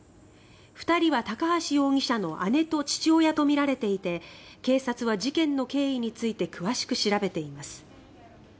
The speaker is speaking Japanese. ２人は高橋容疑者の姉と父親とみられていて警察は事件の経緯について詳しく調べています。